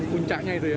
puncaknya itu ya